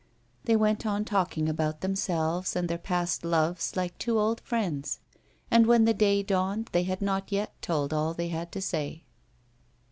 They went on talking about themselves and their past lives like two old friends, and when the day dawned they had not yet told all they had to say.